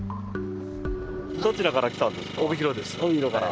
どちらから来たんですか？